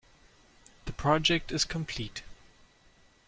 The project is complete.